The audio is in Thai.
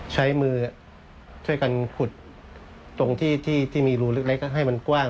ใช้มือช่วยกันขุดตรงที่มีรูเล็กให้มันกว้าง